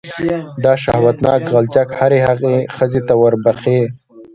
دا شهوتناک غلچک هرې هغې ښځې ته وربښې.